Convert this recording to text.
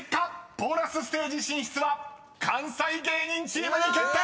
ボーナスステージ進出は関西芸人チームに決定！］